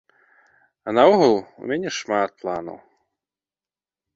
А наогул, у мяне шмат планаў.